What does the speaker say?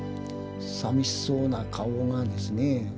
さみしそうな顔がですね。